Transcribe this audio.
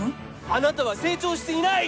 あなたは成長していない！